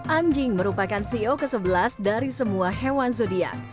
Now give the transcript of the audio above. anjing merupakan sio ke sebelas dari semua hewan zodiac